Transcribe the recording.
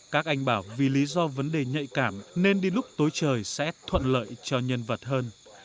các anh bảo vì lý do vấn đề nhạy cảm nên đi lúc tối trời sẽ thuận lợi cho nhân vật hơn